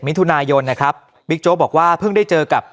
มิถุนายนนะครับบิ๊กโจ๊กบอกว่าเพิ่งได้เจอกับ